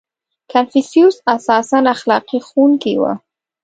• کنفوسیوس اساساً اخلاقي ښوونکی و.